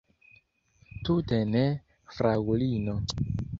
Tute ne, fraŭlino.